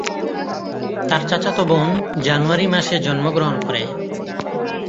তার চাচাতো বোন জানুয়ারি মাসে জন্মগ্রহণ করে।